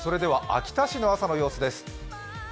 秋田市の朝の様子です。